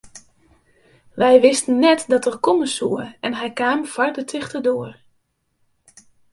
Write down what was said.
Wy wisten net dat er komme soe en hy kaam foar de tichte doar.